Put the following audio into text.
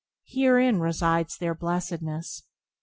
Herein resides their blessedness.